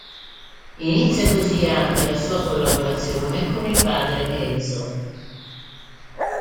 Inizia così anche la sua collaborazione con il padre Enzo.